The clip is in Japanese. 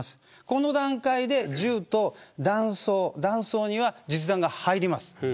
この段階で銃と弾倉には実弾が入ります。